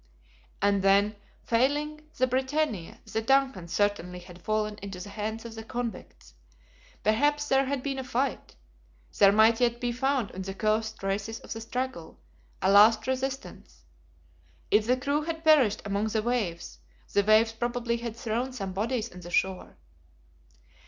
And then, failing the BRITANNIA, the DUNCAN certainly had fallen into the hands of the convicts. Perhaps there had been a fight? There might yet be found on the coast traces of a struggle, a last resistance. If the crew had perished among the waves, the waves probably had thrown some bodies on the shore.